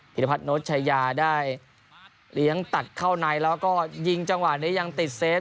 พิรพัฒโนชชายาได้เลี้ยงตัดเข้าในแล้วก็ยิงจังหวะนี้ยังติดเซต